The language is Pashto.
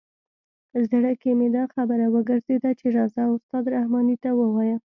زړه کې مې دا خبره وګرځېده چې راځه استاد رحماني ته ووایه.